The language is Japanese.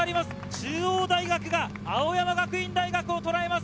中央大学が青山学院大学をとらえます！